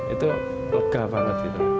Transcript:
itu lega banget gitu